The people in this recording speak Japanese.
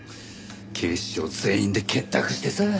警視庁全員で結託してさ。